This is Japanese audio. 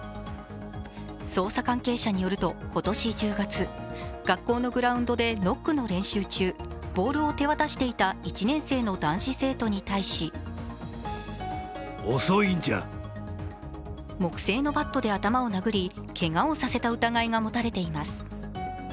捜査関係者によると今年１０月、学校のグラウンドでノックの練習中、ボールを手渡していた１年生の男子生徒に対し木製のバットで頭を殴りけがをさせた疑いが持たれています。